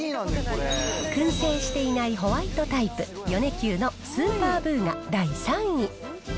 くん製していないホワイトタイプ、米久のスーパーブーが第３位。